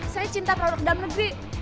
saya cinta produk dalam negeri